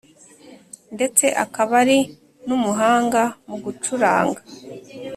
ndetse akaba ari n’umuhanga mu gucuranga